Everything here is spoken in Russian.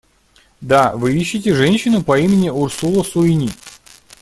Да, вы ищете женщину по имени Урсула Суини.